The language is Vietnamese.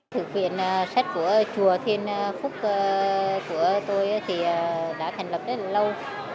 thực hiện sách của chùa thiên phúc của tôi thì đã thành lập rất là lâu